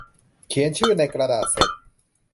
เขียนชื่อในกระดาษเสร็จ